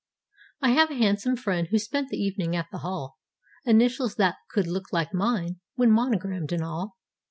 I have a handsome friend who spent that evening at the hall— Initials that could look like mine, when mono grammed and all.